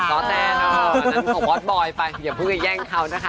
ซ่อแทนอ๋ออันนั้นของบอสบอยไปอย่าเพิ่งให้แย่งเขานะคะ